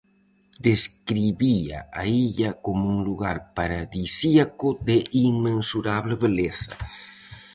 Describía a illa como un lugar paradisíaco de inmensurable beleza.